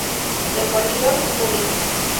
El corregidor resultó herido.